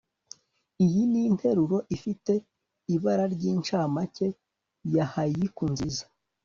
iyi ninteruro, ifite ibara ryincamake, ya haiku nziza